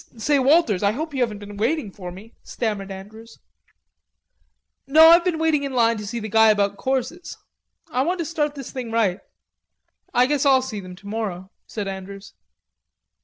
"Say, Walters, I hope you haven't been waiting for me," stammered Andrews. "No, I've been waiting in line to see the guy about courses.... I want to start this thing right." "I guess I'll see them tomorrow," said Andrews.